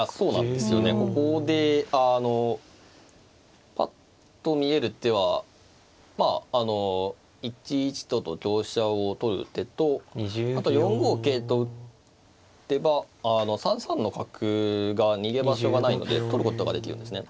ここでぱっと見える手は１一とと香車を取る手とあと４五桂と打てば３三の角が逃げ場所がないので取ることができるんですね。